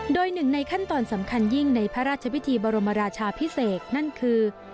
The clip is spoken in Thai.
โดยหนึ่งในขั้นตอนสำคัญยิ่งในพระราชพิธีบรมราชาพิเศษนั่นคือ